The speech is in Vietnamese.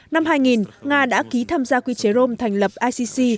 năm hai nghìn nga đã ký tham gia quy chế rome thành lập icc